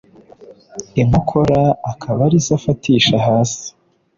inkokora akaba arizo afatisha hasi